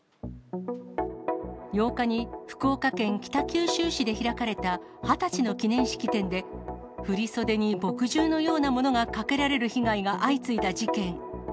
８日に福岡県北九州市で開かれた二十歳の記念式典で、振り袖に墨汁のようなものがかけられる被害が相次いだ事件。